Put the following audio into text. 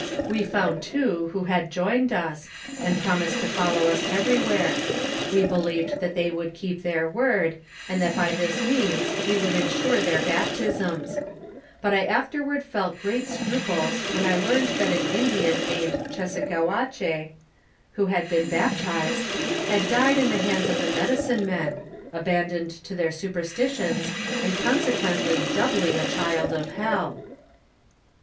We found two who had joined ns, and promised to follow us everywhere ; we believed that they would keep their word, and that by this means we would insure their baptisms ; but I afterward felt great scruples when I learned than an Indian named Ghassagouache, who had been bap tized, had died in the hands of the medicine men, abandoned to their superstitions, and consequently doubly a child of hell.